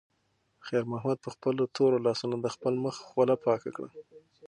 خیر محمد په خپلو تورو لاسونو د خپل مخ خوله پاکه کړه.